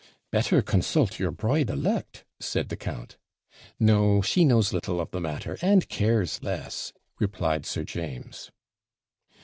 'Better consult your bride elect!' said the count. 'No; she knows little of the matter and cares less,' replied Sir James.